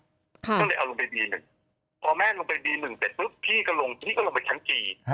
ก็เลยเอาลงไปบีหนึ่งพอแม่ลงไปบีหนึ่งเสร็จปุ๊บพี่ก็ลงพี่ก็ลงไปชั้นกี่